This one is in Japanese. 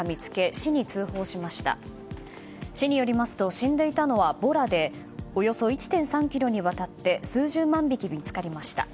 市によりますと死んでいたのはボラでおよそ１．３ｋｍにわたって数十万匹見つかりました。